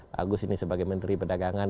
pak agus ini sebagai menteri perdagangan